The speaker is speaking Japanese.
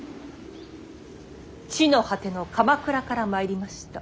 地の果ての鎌倉から参りました。